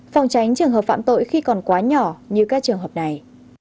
phòng tránh trường hợp phạm tội khi còn quá nhỏ như các trường hợp này